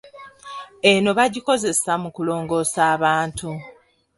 Eno bagikozesa mu kulongoosa abantu.